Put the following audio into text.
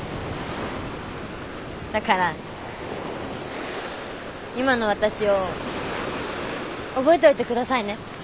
だから今の私を覚えておいてくださいね。